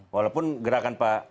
walaupun gerakan pak